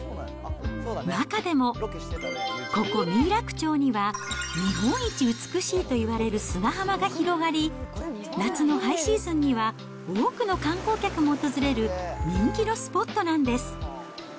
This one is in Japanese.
中でもここ、三井楽町には日本一美しいといわれる砂浜が広がり、夏のハイシーズンには多くの観光客も訪れる人気のスポットなんです。